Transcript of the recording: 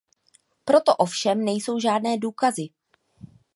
Pro to ovšem nejsou žádné důkazy.